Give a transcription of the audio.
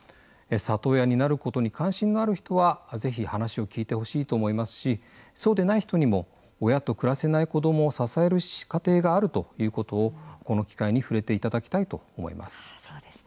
里親になることに関心のある人は是非話を聞いてほしいと思いますしそうでない人にも親と暮らせない子どもを支える家庭があるということをこの機会に触れていただきたいと思います。